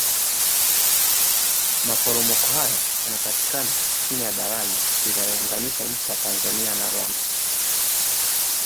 maporomoko hayo yanapita chini ya daraja linalounganisha nchi ya tanzania na rwanda